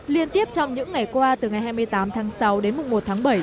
liên tiếp trong những ngày qua từ ngày hai mươi tám tháng sáu đến mùng một tháng bảy